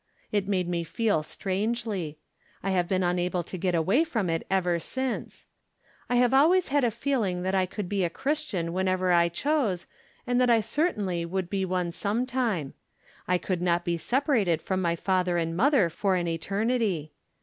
It made me feel strangely. I have been unable to get away from it ever since. I 224 From Different Standpoints. have always had a feeling that I could be a Chris tian whenever I chose, and that I certainly would he one sometime ; I could not be separated from my father and mother for an eternity.